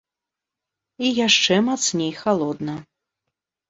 І яшчэ мацней халодна.